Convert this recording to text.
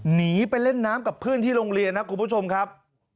หนีไปเล่นน้ำกับเพื่อนที่โรงเรียนครับคุณผู้ชมครับ